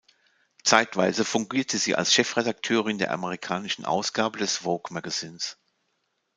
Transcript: Zeitweise fungierte sie als Chefredakteurin der amerikanischen Ausgabe des Vogue Magazins.